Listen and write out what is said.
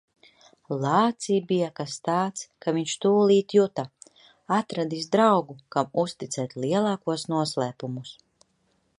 Lācī bija kas tāds, ka viņš tūlīt juta - atradis draugu, kam uzticēt lielākos noslēpumus.